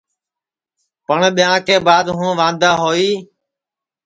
پٹؔ ٻیاں کے بعد ہوں واندا ہوئی